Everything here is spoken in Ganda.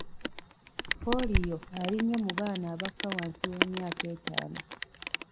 Ppooliyo ali nnyo mu baana abakka wansi w'emyaka ettaano.